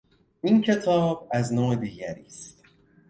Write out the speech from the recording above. این کتاب از نوع دیگری است.